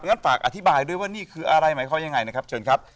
อย่างนั้นฝากอธิบายด้วยว่านี่คืออะไรหมายความยังไงนะครับเชิญครับ